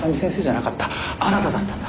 あなただったんだ。